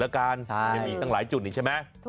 มันยังมีตั้งหลายจุดอีกใช่ไหม